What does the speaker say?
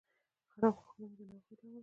• خراب غاښونه د ناروغۍ لامل کیږي.